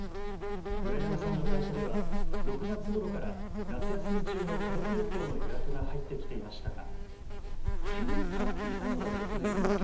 村山さんの会社では６月ごろから夏休み中の家族旅行の予約が入ってきていましたが。